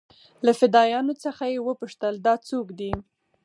له فدايانو څخه يې وپوښتل دا سوک دې.